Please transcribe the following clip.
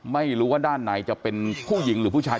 ไม่รู้ว่าด้านในจะเป็นผู้หญิงหรือผู้ชาย